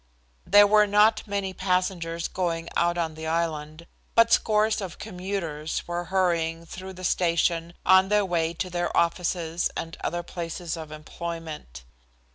There were not many passengers going out on the island, but scores of commuters were hurrying through the station on their way to their offices and other places of employment.